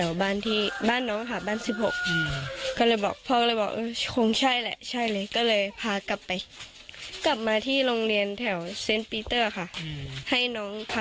เออบ้านอยู่ไหน